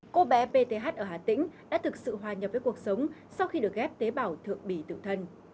cô bé pth ở hà tĩnh đã thực sự hòa nhập với cuộc sống sau khi được ghép tế bảo thượng bì tự thân